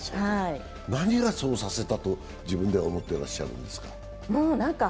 何がそうさせたと、自分では思っていらっしゃるんですか？